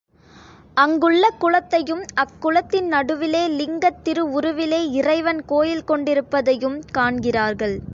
அங்குள்ள குளத்தையும் அக்குளத்தின் நடுவிலே லிங்கத் திருவுருவிலே இறைவன் கோயில் கொண்டிருப்பதையும் காண்கிறார்கள்.